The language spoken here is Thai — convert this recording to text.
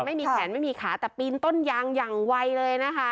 ไม่มีแขนไม่มีขาแต่ปีนต้นยางอย่างไวเลยนะคะ